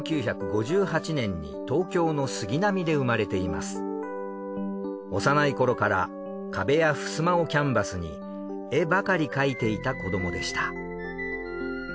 千住博は幼い頃から壁やふすまをキャンバスに絵ばかり描いていた子どもでした。